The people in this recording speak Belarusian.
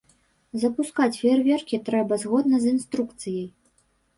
Запускаць феерверкі трэба згодна з інструкцыяй.